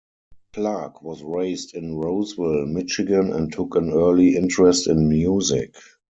Clark was raised in Roseville, Michigan, and took an early interest in music.